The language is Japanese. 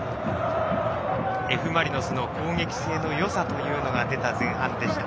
Ｆ・マリノスの攻撃性のよさというのが出た前半でした。